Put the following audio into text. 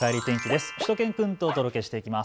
しゅと犬くんとお届けしていきます。